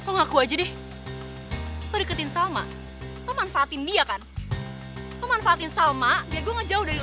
ngaku aja deh beriketin salma pemanfaatin dia kan pemanfaatin salma dia gua jauh dari lo